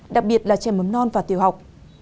đặc biệt là trẻ mấm non và tiêu học